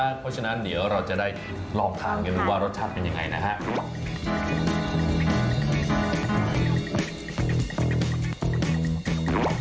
เพราะฉะนั้นเดี๋ยวเราจะได้ลองทานกันดูว่ารสชาติเป็นยังไงนะครับ